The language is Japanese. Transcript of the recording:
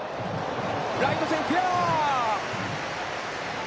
ライト線、フェア。